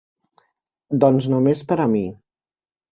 Doncs només per a mi.